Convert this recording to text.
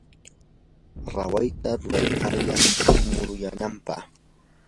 rawayta ruraykayan muruyanampaq.